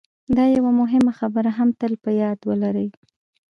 دا یوه مهمه خبره هم تل په یاد ولرئ